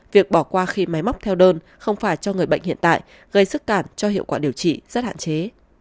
việc bỏ qua khi máy móc theo đơn không phải cho người bệnh hiện tại gây sức cảm cho hiệu quả điều trị rất hạn chế